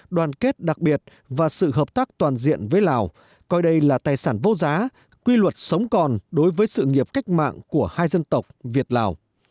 đoàn kết đặc biệt và sự hợp tác toàn diện với lào coi đây là tài sản vô giá quy luật sống còn đối với sự nghiệp cách mạng của hai dân tộc việt lào